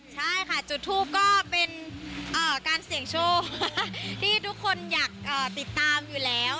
ใช่ค่ะจุดทูปก็เป็นการเสี่ยงโชคที่ทุกคนอยากติดตามอยู่แล้ว